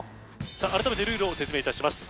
改めてルールを説明いたします